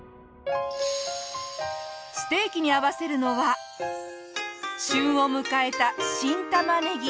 ステーキに合わせるのは旬を迎えた新たまねぎ。